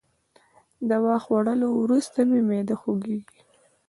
د دوا خوړولو وروسته مي معده خوږیږي.